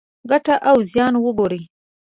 ګټه او زیان وګورئ.